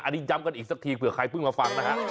อันนี้ย้ำกันอีกสักทีเผื่อใครเพิ่งมาฟังนะฮะ